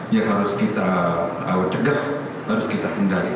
yang harus kita cegah harus kita kendali